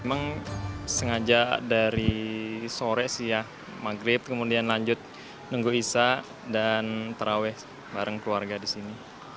memang sengaja dari sore sih ya maghrib kemudian lanjut nunggu isa dan taraweh bareng keluarga di sini